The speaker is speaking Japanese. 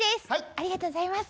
ありがとうございます。